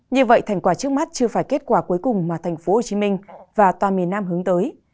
như vậy thành quả trước mắt chưa phải kết quả cuối cùng mà tp hcm và toàn miền nam hướng tới